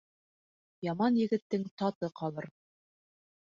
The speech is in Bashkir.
Яман егеттең таты ҡалыр.